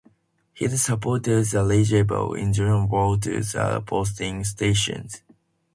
His supporters allegedly intimidated voters at polling stations.